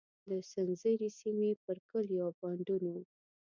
د سنځري سیمې پر کلیو او بانډونو.